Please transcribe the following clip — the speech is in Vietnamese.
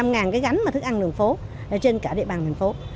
một mươi năm ngàn cái gánh mà thức ăn đường phố trên cả địa bàn thành phố